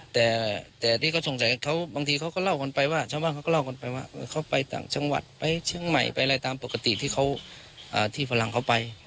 แต่ที่เขาสงสัยบางทีเขาก็เล่ากันไปว่าเขาไปต่างช่างวัดไปช่างใหม่ไปอะไรตามปกติที่เขาที่ฝรั่งเขาไป